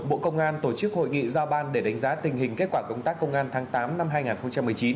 bộ công an tổ chức hội nghị giao ban để đánh giá tình hình kết quả công tác công an tháng tám năm hai nghìn một mươi chín